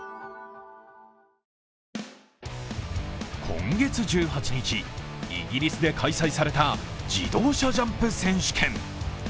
今月１８日、イギリスで開催された自動車ジャンプ選手権。